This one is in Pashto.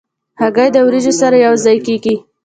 هګۍ د وریجو سره یو ځای کېږي.